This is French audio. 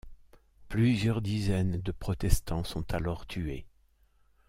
Plusieurs dizaines de protestants sont alors tués.